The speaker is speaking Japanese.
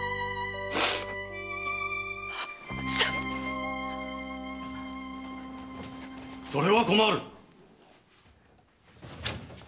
・それは困る。